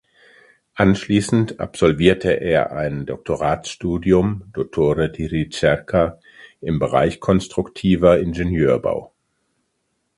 Anschließend absolvierte er ein Doktoratsstudium ("dottore di ricerca") im Bereich konstruktiver Ingenieurbau.